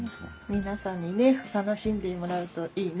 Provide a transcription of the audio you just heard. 皆さんにね楽しんでもらうといいね。